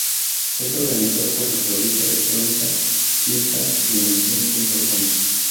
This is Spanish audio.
Es organizado por la revista electrónica QuintaDimension.com.